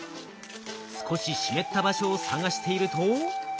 少し湿った場所を探していると。